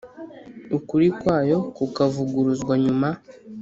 ukuri kwayo kukavuguruzwa nyuma